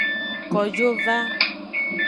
Kojo va.